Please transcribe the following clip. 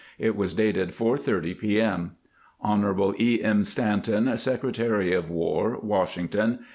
It was dated 4 : 30 p. m. : Hon. E. M. Stanton, Secretary of "War, Washington.